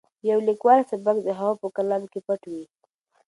د یو لیکوال سبک د هغه په کلام کې پټ وي.